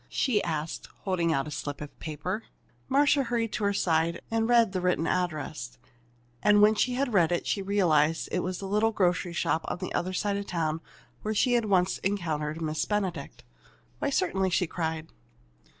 she asked, holding out a slip of paper. Marcia hurried to her side and read the written address. And when she had read it, she realized that it was the little grocery shop on the other side of town where she had once encountered Miss Benedict. "Why, certainly!" she cried.